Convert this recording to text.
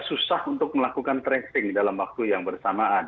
susah untuk melakukan tracing dalam waktu yang bersamaan